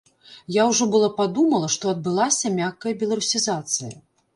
Я ўжо была падумала, што адбылася мяккая беларусізацыя.